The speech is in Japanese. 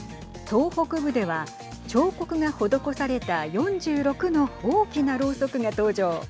東北部では彫刻が施された４６の大きなろうそくが登場。